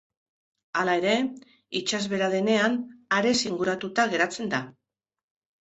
Hala ere, itsasbehera denean, harez inguratuta geratzen da.